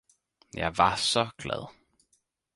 jeg var så glad!